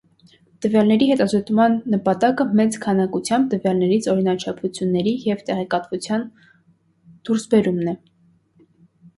Տվյալների հետազոտման նպատակը մեծ քանակությամբ տվյալներից օրինաչափությունների և տեղեկատվության դուրսբերումն է։